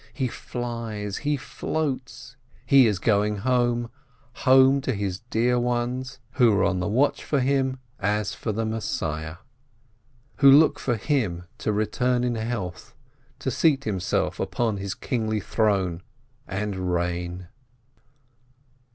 He flies, he floats, he is going home, home to his dear ones, who are on the watch for him as for Messiah, who look for him to return in health, to seat himself upon his kingly throne and reign.